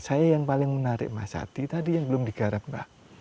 saya yang paling menarik mas sati tadi yang belum digarap mbak